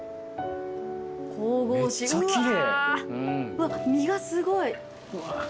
うわっ身がすごい。